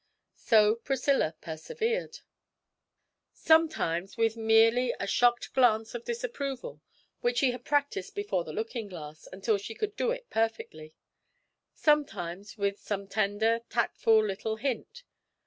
So Priscilla persevered: sometimes with merely a shocked glance of disapproval, which she had practised before the looking glass until she could do it perfectly; sometimes with some tender, tactful little hint.